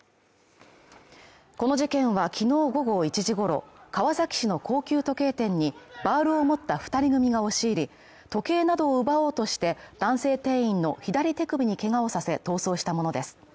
この事件はきのう午後１時ごろ、川崎市の高級時計店にバールを持った２人組が押し入り、時計などを奪おうとして、男性店員の左手首にけがをさせ逃走したものです。